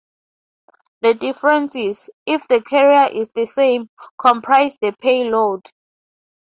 The differences, if the carrier is the same, comprise the payload.